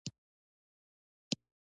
د عملیاتو وسایل له پاکوالي پرته خطرناک دي.